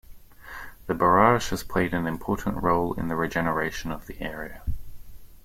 The barrage has played an important role in the regeneration of the area.